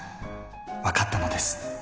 分かったのです。